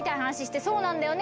「そうなんだよね」